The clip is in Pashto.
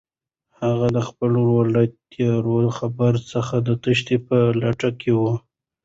هغه د خپل ورور له تېرو خبرو څخه د تېښتې په لټه کې وه.